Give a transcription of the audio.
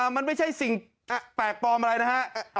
มันไม่ใช่สิ่งแปลกปลอมอะไรนะฮะ